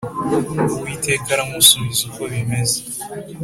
Uwiteka aramusubiza uko bimeze